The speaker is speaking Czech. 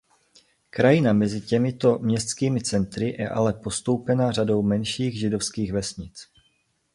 Krajina mezi těmito městskými centry je ale postoupena řadou menších židovských vesnic.